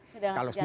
sudah sudah jaminan